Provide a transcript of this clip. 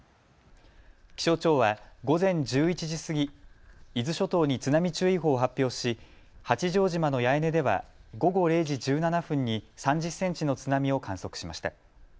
気象庁は午前１１時過ぎ、伊豆諸島に津波注意報を発表し八丈島の八重根では午後０時１７分に３０センチの津波を観測しました。